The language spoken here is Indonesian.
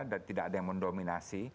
dan tidak ada yang mendominasi